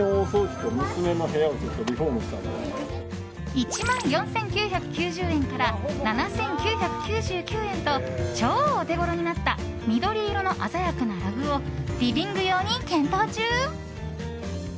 １万４９９０円から７９９９円と超オテゴロになった緑色の鮮やかなラグをリビング用に検討中。